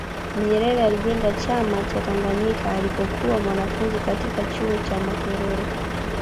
nyerere alijenga chama cha tanganyika alipokuwa mwanafunzi katika chuo cha makerere